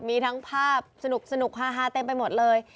มีทั้งภาพสนุกฮาเต็มไปหมดเลย